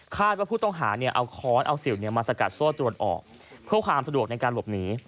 ว่าผู้ต้องหาเอาค้อนเอาสิวมาสกัดโซ่ตรวนออกเพื่อความสะดวกในการหลบหนี